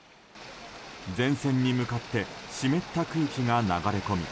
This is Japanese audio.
前線に向かって湿った空気が流れ込み